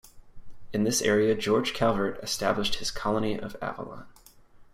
In this area George Calvert established his Colony of Avalon.